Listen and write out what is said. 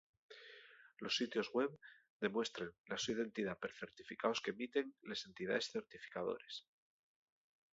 Los sitios web demuestren la so identidá per certificaos qu'emiten les entidaes certificadores.